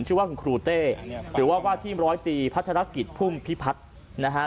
หรือว่าว่าที่ร้อยตรีภัฒนาสตรกิจภุมภิพัฒนะฮะ